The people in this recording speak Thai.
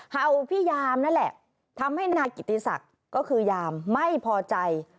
เห่าพี่ยามนั่นแหละทำให้นายกิติศักดิ์ก็คือยามไม่พอใจ